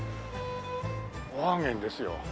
ワーゲンですよ。